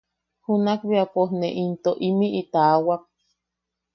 Junak bea pos ne into imiʼi tawak.